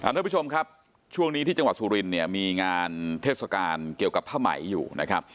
ทุกผู้ชมครับช่วงนี้ที่จังหวัดสุรินเนี่ยมีงานเทศกาลเกี่ยวกับผ้าไหมอยู่นะครับ